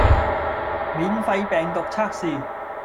免費病毒測試